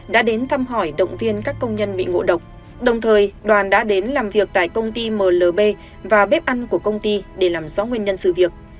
đã đến thăm hỏi động viên các công nhân bị ngộ độc đồng thời đoàn đã đến làm việc tại công ty mlb và bếp ăn của công ty để làm rõ nguyên nhân sự việc